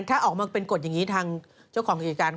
ถ้าออกมาเป็นกฎอย่างนี้ทางเจ้าของกิจการ